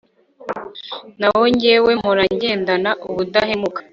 naho jyewe mpora ngendana ubudahemuka